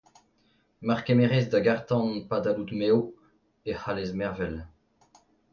Mar kemerez da garr-tan padal out mezv, e c'halles mervel.